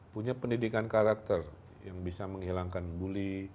punya pendidikan karakter yang bisa menghilangkan bully